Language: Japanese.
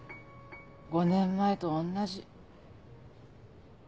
５年前と同じ。